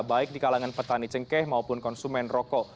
baik di kalangan petani cengkeh maupun konsumen rokok